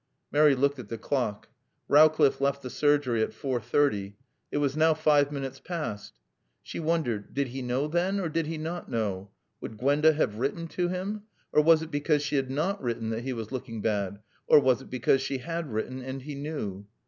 Mary looked at the clock. Rowcliffe left the surgery at four thirty. It was now five minutes past. She wondered: Did he know, then, or did he not know? Would Gwenda have written to him? Was it because she had not written that he was looking bad, or was it because she had written and he knew?